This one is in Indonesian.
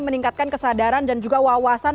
meningkatkan kesadaran dan juga wawasan